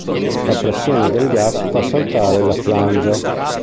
La pressione del gas fa saltare la flangia.